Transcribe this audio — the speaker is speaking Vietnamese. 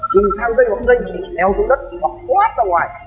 dùng thang dây hoặc dây heo xuống đất hoặc quát ra ngoài